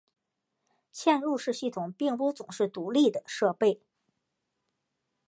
嵌入式系统并不总是独立的设备。